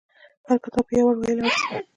هر کتاب په يو وار ویلو ارزي.